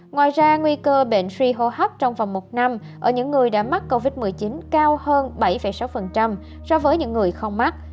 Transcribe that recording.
ngoài ra nguy cơ bệnh suy hô hấp trong vòng một năm ở những người đã mắc covid một mươi chín cao hơn bảy sáu so với những người không mắc